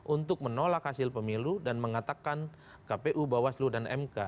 untuk menolak hasil pemilu dan mengatakan kpu bawaslu dan mk